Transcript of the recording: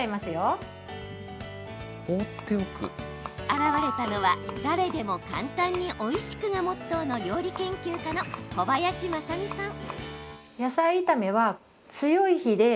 現れたのは、誰でも簡単においしくがモットーの料理研究家の小林まさみさん。